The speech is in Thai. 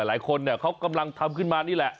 หลายคนเนี่ยเขากำลังทำขึ้นมานี่แหละ